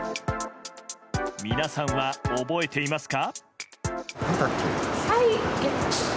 皆さんは覚えていますか？